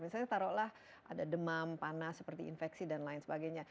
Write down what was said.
misalnya taruhlah ada demam panas seperti infeksi dan lain sebagainya